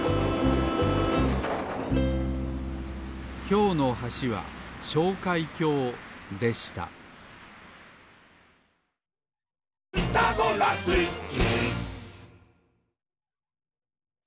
きょうの橋は昇開橋でした「ピタゴラスイッチ」